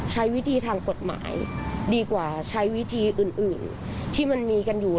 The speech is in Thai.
ใช้วิธีทางกฎหมายดีกว่าใช้วิธีอื่นที่มันมีกันอยู่